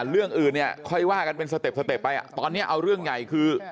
เรื่องอื่นเนี่ยค่อยว่ากันเป็นสเต็ปสเต็ปไปตอนนี้เอาเรื่องใหญ่คือ